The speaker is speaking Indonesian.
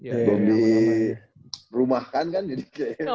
belum dirumahkan kan jadi